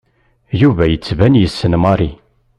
Yuba yettban yessen Mary.